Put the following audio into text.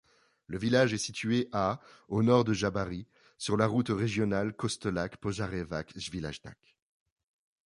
Le village est situé à au nord de Žabari, sur la route régionale Kostolac-Požarevac-Svilajnac.